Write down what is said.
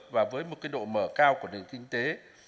và với một độ mở cao của nền kinh tế